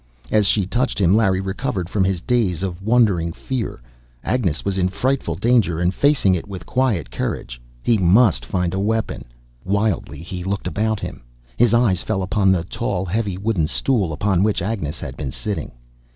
As she touched him, Larry recovered from his daze of wondering fear. Agnes was in frightful danger, and facing it with quiet courage. He must find a weapon! Wildly, he looked about him. His eyes fell upon the tall, heavy wooden stool, upon which Agnes had been sitting.